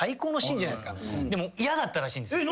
でも嫌だったらしいんです。